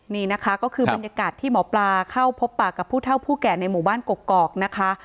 นี่นะคะก็คือบรรยากาศที่หมอปลาเข้าพบปากกับผู้เท่าผู้แก่ในหมู่บ้านกกอกนะคะ